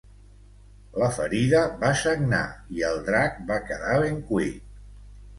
La ferida va sagnar i el drac va quedar ben cuit.